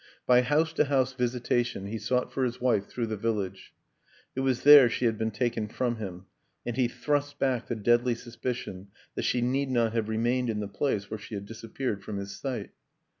By house to house visitation he sought for his wife through the village; it was there she had been taken from him, and he thrust back the deadly suspicion that she need not have remained in the place where she had disappeared from his sight.